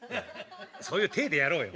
そういう体でやろうよ。